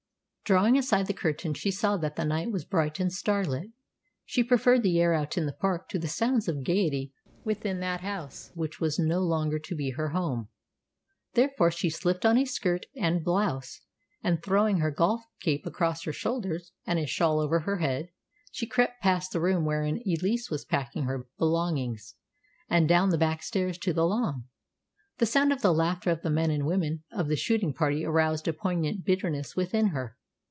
Drawing aside the curtain, she saw that the night was bright and starlit. She preferred the air out in the park to the sounds of gaiety within that house which was no longer to be her home. Therefore she slipped on a skirt and blouse, and, throwing her golf cape across her shoulders and a shawl over her head, she crept past the room wherein Elise was packing her belongings, and down the back stairs to the lawn. The sound of the laughter of the men and women of the shooting party aroused a poignant bitterness within her.